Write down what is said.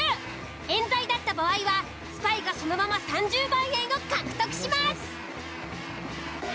冤罪だった場合はスパイがそのまま３０万円を獲得します。